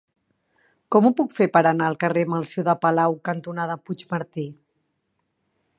Com ho puc fer per anar al carrer Melcior de Palau cantonada Puigmartí?